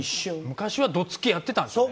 昔はどつきやってたんですね。